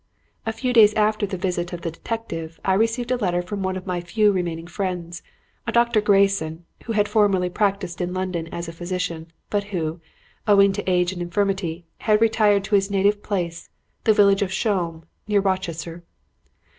A few days after the visit of the detective I received a letter from one of my few remaining friends, a Dr. Grayson, who had formerly practiced in London as a physician, but who, owing to age and infirmity, had retired to his native place, the village of Shome, near Rochester.